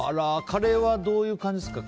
カレーはどういう感じですか？